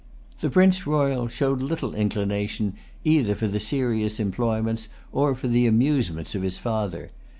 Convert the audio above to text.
The Prince Royal showed little inclination either for the serious employments or for the amusements of his father.